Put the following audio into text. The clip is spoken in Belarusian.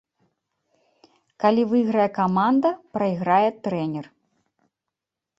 Калі выйграе каманда, прайграе трэнер.